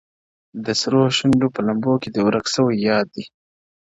د سرو سونډو په لمبو کي د ورک سوي یاد دی ـ